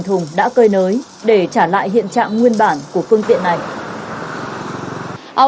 thùng đã cơi nới để trả lại hiện trạng nguyên bản của phương tiện này